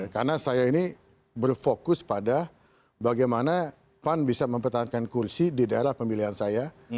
karena saya ini berfokus pada bagaimana pan bisa mempertahankan kursi di daerah pemilihan saya